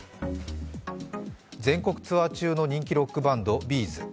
全国ツアー中の人気ロックバンド、Ｂ’ｚ。